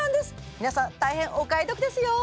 皆さん大変お買い得ですよ！